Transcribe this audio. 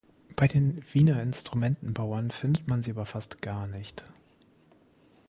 Bei den Wiener Instrumentenbauern findet man sie aber fast gar nicht.